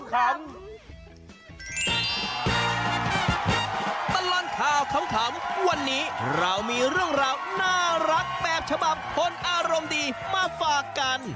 ตลอดข่าวขำวันนี้เรามีเรื่องราวน่ารักแบบฉบับคนอารมณ์ดีมาฝากกัน